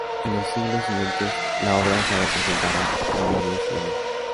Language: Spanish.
En los siglos siguientes, la obra se representará cada Vez menos.